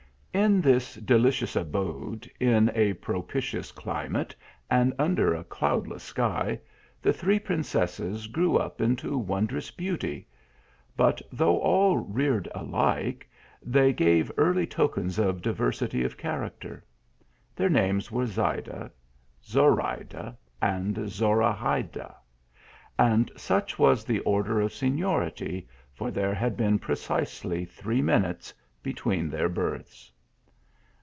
In this delicious abode, in a propitious climate and under a cloudless sky, the three princesses grew up into wondrous beauty ; but, though all roared alike, they gave early tokens of diversity o. character. Their names were Zayda, Zorayda, and Zorahayda ; and such was the order of seniority, for there had been precisely three minutes between their births.